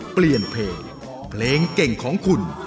เปลี่ยนเพลงเพลงเก่งของคุณ